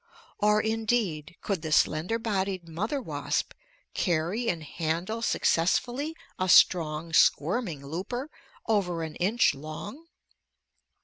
Or, indeed, could the slender bodied mother wasp carry and handle successfully a strong squirming looper over an inch long?